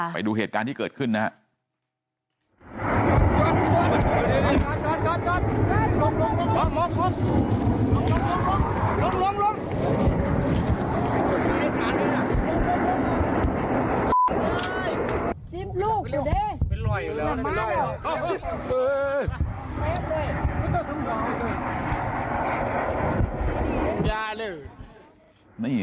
ไปดูเหตุการณ์ที่เกิดขึ้นนะครับ